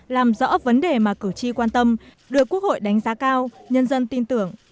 làm rõ vấn đề mà cử tri quan tâm được quốc hội đánh giá cao nhân dân tin tưởng